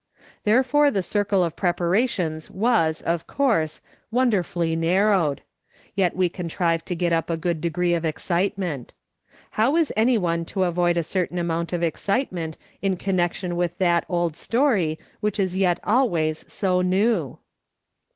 Therefore the circle of preparations was, of course, wonderfully narrowed ; yet we contrived to get up a good degree of excitement. How is any one to avoid a certain amount of excitement in connection with that old story, which is yet always so new